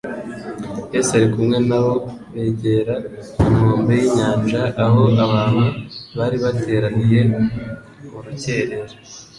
Yesu ari kumwe na bo begera inkombe y'inyanja, aho abantu bari bateraniye mu rukerera.